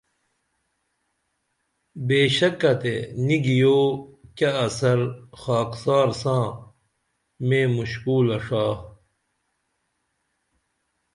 بے شکہ تے نی گِیو کیہ اثر خاکسار ساں میں مُشکولہ ݜا